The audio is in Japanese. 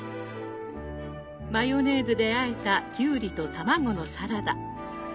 マヨネーズであえたきゅうりと卵のサラダ。